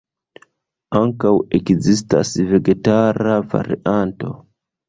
Ankaŭ ekzistas vegetara varianto.